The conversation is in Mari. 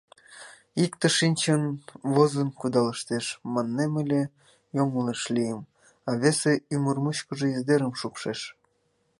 Икте шинчын... возын кудалыштеш, маннем ыле, йоҥылыш лийым, а весе ӱмыр мучкыжо издерым шупшеш.